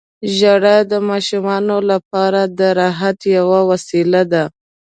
• ژړا د ماشومانو لپاره د راحت یوه وسیله ده.